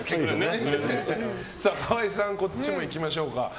川合さん、こっちもいきましょう。